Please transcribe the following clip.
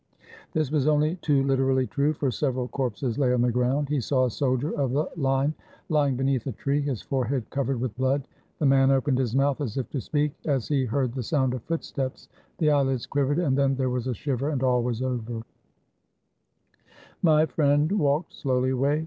This was only too Kterally true, for several corpses lay on the ground. He saw a soldier of the line lying beneath a tree, his forehead cov ered with blood. The man opened his mouth as if to speak as he heard the sound of footsteps, the eyelids quivered and then there was a shiver, and all was over. 414 ONE DAY UNDER THE COMMUNE My friend walked slowly away.